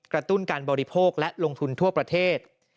ตุ้นการบริโภคและลงทุนทั่วประเทศ